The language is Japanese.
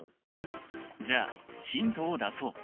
じゃあヒントを出そう！